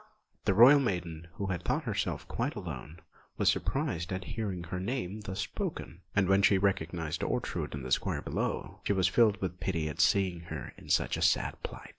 The royal maiden, who had thought herself quite alone, was surprised at hearing her name thus spoken; and when she recognised Ortrud in the square below, she was filled with pity at seeing her in such a sad plight.